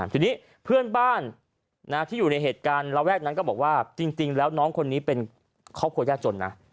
ทีนี้เพื่อนบ้านที่อยู่ในเหตุการณ์ระแวกนั้นก็บอกว่าจริงแล้วน้องคนนี้เป็นครอบครัวยากจนนะ